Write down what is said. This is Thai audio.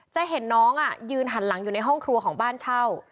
จะเห็นน้องยืนหันหลังอยู่ในห้องครัวของบ้านเช่า